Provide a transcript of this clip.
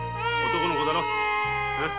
男の子だろ。